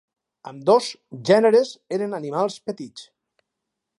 Ambdós gèneres eren animals petits.